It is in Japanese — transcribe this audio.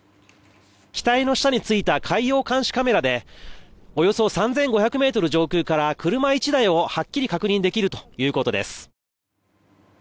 機体の下についた海洋監視カメラでおよそ３５００ｍ上空から車１台をはっきりと確認できるということです。